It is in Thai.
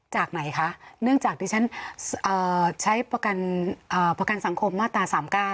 ไหนคะเนื่องจากดิฉันใช้ประกันสังคมมาตรา๓๙